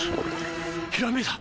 ひらめいた！